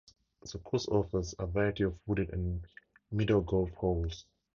The course offers a variety of wooded and meadow golf holes.